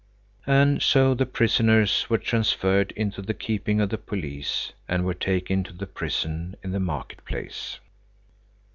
And so the prisoners were transferred into the keeping of the police, and were taken to the prison in the market place.